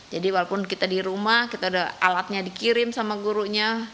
jadi walaupun kita di rumah kita udah alatnya dikirim sama gurunya